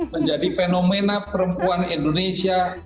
menjadi fenomena perempuan indonesia